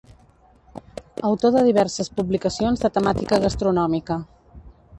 Autor de diverses publicacions de temàtica gastronòmica.